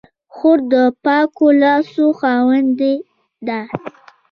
خور د پاکو لاسو خاوندې ده.